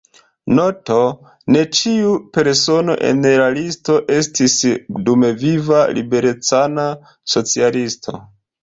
Noto: ne ĉiu persono en la listo estis dumviva liberecana socialisto.